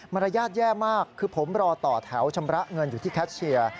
รยาทแย่มากคือผมรอต่อแถวชำระเงินอยู่ที่แคชเชียร์